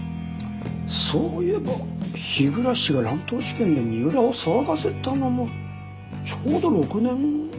そういえば日暮が乱闘事件で二浦を騒がせたのもちょうど６年前ぐらいでしたね。